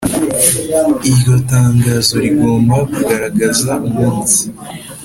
Iryo tangazo rigomba kugaragaza umunsi